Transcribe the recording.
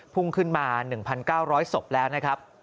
พุ่งขึ้นมา๑๙๐๐ศพแล้วนะครับ